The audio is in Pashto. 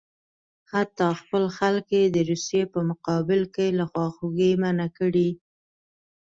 حتی خپل خلک یې د روسیې په مقابل کې له خواخوږۍ منع کړي.